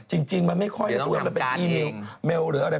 จริงมันไม่ค่อยตัวเป็นอีเมลหรืออะไร